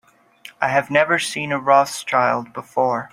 I have never seen a Rothschild before.